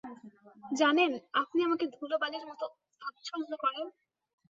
জানেন, আপনি আমাকে ধুলোবালির মতো তাচল্য করেন?